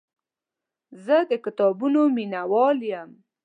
زه د کتابونو مینهوال یم.